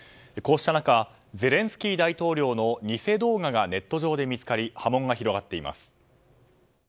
こうした中ゼレンスキー大統領の偽動画がネット上で見つかり波紋が広がっています。